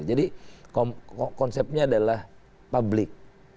jadi konsepnya adalah publik